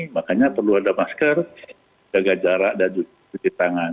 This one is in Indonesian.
makanya perlu ada masker jaga jarak dan cuci tangan